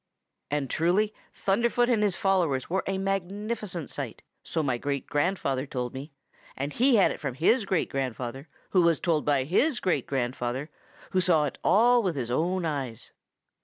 And truly Thunderfoot and his followers were a magnificent sight, so my great grandfather told me, and he had it from his great grandfather, who was told so by his great grandfather, who saw it all with his own eyes.